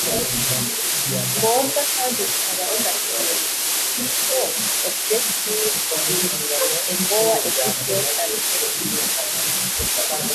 ngombwa kandi rukaba runakenewe Ikigo objectives in a more efficient and effective